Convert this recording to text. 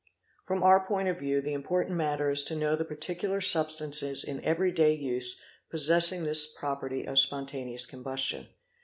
From our point of view the important matter is to know the particular substances in every day use possessing this property of spontaneous combustion.